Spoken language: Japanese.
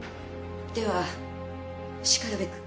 ではしかるべく。